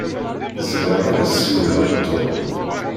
Zemreɣ ad as-siwleɣ i Tom.